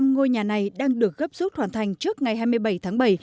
năm trăm linh ngôi nhà này đang được gấp rút hoàn thành trước ngày hai mươi bảy tháng bảy